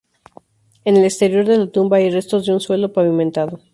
En el exterior de la tumba hay restos de un suelo pavimentado.